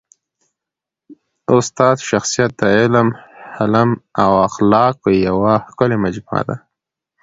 د استاد شخصیت د علم، حلم او اخلاقو یوه ښکلي مجموعه ده.